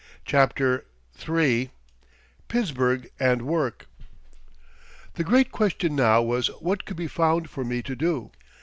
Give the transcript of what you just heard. CHAPTER III PITTSBURGH AND WORK The great question now was, what could be found for me to do.